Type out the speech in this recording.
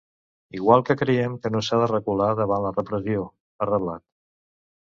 Igual que creiem que no s’ha de recular davant la repressió, ha reblat.